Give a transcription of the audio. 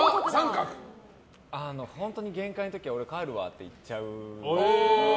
本当に限界の時は俺買えるわって言っちゃう。